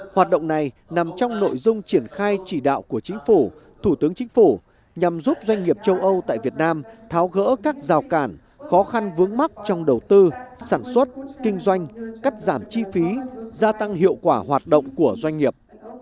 hoạt động này nằm trong nội dung triển khai chỉ đạo của chính phủ thủ tướng chính phủ nhằm giúp doanh nghiệp châu âu tại việt nam tháo gỡ các rào cản khó khăn vướng mắt trong đầu tư sản xuất kinh doanh cắt giảm chi phí gia tăng hiệu quả hoạt động của doanh nghiệp